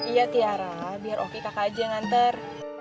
iya tiara biar oki kakak aja yang ngantar